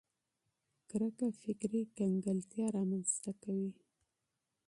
تعصب فکري کنګلتیا رامنځته کوي